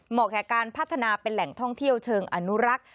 แก่การพัฒนาเป็นแหล่งท่องเที่ยวเชิงอนุรักษ์